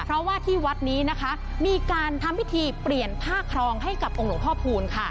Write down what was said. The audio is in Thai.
เพราะว่าที่วัดนี้นะคะมีการทำพิธีเปลี่ยนผ้าครองให้กับองค์หลวงพ่อพูนค่ะ